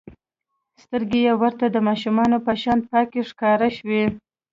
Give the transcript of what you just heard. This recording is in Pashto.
سترګې يې ورته د ماشوم په شان پاکې ښکاره شوې.